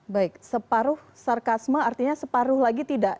baik separuh sarkasma artinya separuh lagi tidak